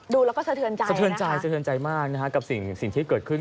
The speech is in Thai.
ดูแล้วก็เสียเทือนใจเสียเทือนใจมากกับสิ่งที่เกิดขึ้น